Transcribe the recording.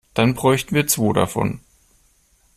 Dann bräuchten wir zwo davon.